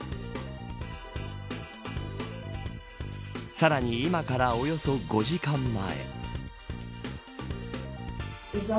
さらに、今からおよそ５時間前。